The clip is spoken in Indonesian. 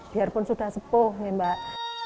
biarpun sudah sepuh mbak